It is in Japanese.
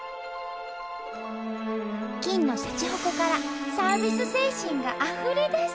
金のしゃちほこからサービス精神があふれ出す！